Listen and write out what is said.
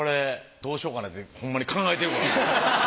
どうしようかなホンマに考えてるから。